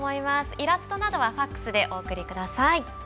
イラストなどはＦＡＸでお送りください。